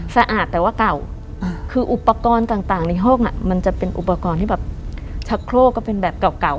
สะอาดแต่ว่าเก่าคืออุปกรณ์ต่างในห้องมันจะเป็นอุปกรณ์ที่แบบชักโครกก็เป็นแบบเก่า